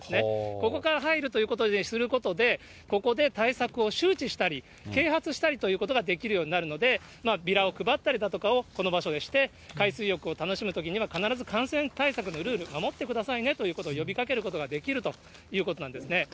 ここから入るということにすることで、ここで対策を周知したり、啓発したりということができるようになるので、ビラを配ったりだとかをこの場所でして、海水浴を楽しむときには、必ず感染対策のルール、守ってくださいねということを呼びかけることができるということなんですね。